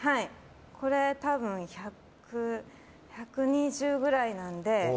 これ多分１２０くらいなので。